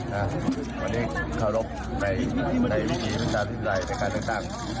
วันนี้ขอรบในวิธีศึกษาธิศรัยแต่การต่าง